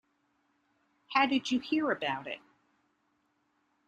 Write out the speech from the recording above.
How did you hear about it?